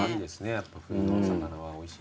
やっぱ冬のお魚はおいしい。